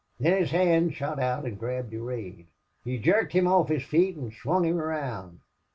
"Thin his hand shot out an' grabbed Durade.... He jerked him off his feet an' swung him round.